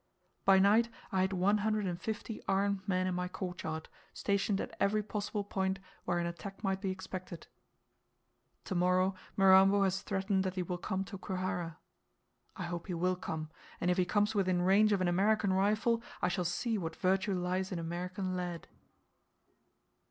By night I had one hundred and fifty armed men in my courtyard, stationed at every possible point where an attack might be expected. To morrow Mirambo has threatened that he will come to Kwihara. I hope he will come, and if he comes within range of an American rifle, I shall see what virtue lies in American lead.